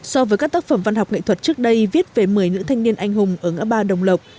so với các tác phẩm văn học nghệ thuật trước đây viết về một mươi nữ thanh niên anh hùng ở ngã ba đồng lộc